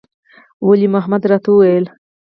ولي محمد راته وويل.